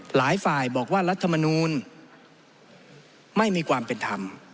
หลายฝ่ายบอกว่ารัฐมนูลไม่มีความเป็นธรรม